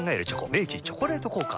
明治「チョコレート効果」